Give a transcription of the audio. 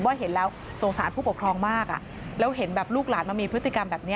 เห็นแล้วสงสารผู้ปกครองมากอ่ะแล้วเห็นแบบลูกหลานมามีพฤติกรรมแบบนี้